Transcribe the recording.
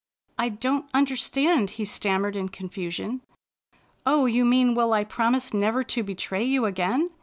'' I don't understand," he stammered in con fusion. " Oh, you mean will I promise never to betray you again?